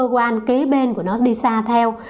cơ quan kế bên của nó đi xa theo